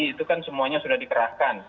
itu kan semuanya sudah dikerahkan